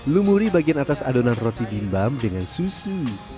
lumuri bagian atas adonan roti bimbam dengan susu